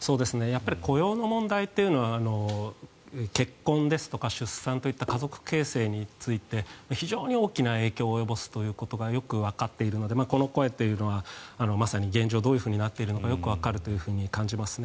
雇用の問題というのは結婚ですとか出産とか家族形成について非常に大きな影響を及ぼすことがよくわかっているのでこの声というのはまさに現状、どうなっているかがよくわかるというふうに感じますね。